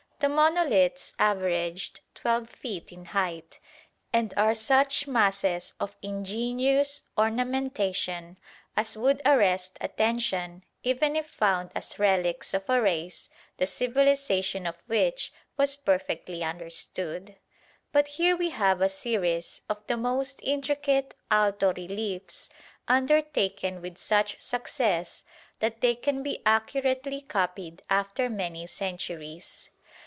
The monoliths averaged 12 feet in height, and are such masses of ingenious ornamentation as would arrest attention even if found as relics of a race the civilisation of which was perfectly understood. But here we have a series of the most intricate alto reliefs undertaken with such success that they can be accurately copied after many centuries.